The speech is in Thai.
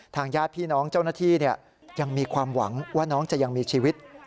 ญาติพี่น้องเจ้าหน้าที่ยังมีความหวังว่าน้องจะยังมีชีวิต